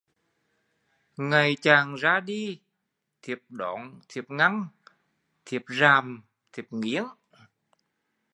Ngày chàng ra đi thiếp đón thiếp ngăn, thiếp ràn, thiếp nghiến